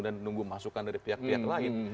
dan nunggu masukan dari pihak pihak lain